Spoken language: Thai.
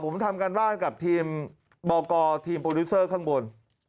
ผมทำการบ้านกับทีมบกทีมโปรดิวเซอร์ข้างบน